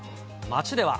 街では。